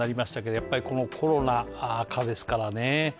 やっぱりこのコロナ禍ですからね。